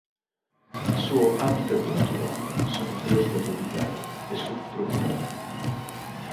Il suo habitat naturale sono foreste tropicali e subtropicali.